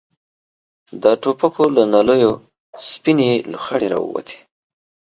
د ټوپکو له نليو سپينې لوخړې را ووتې.